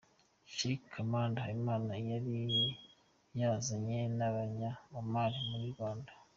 Sheikh Hamdan Habimana yari yazananye n'abanya-Oman bari mu Rwanda.